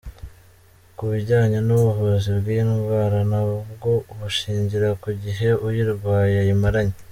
Ku bijyanye n’ubuvuzi bw’iyi ndwara na bwo bushingira ku gihe uyirwaye ayimaranye.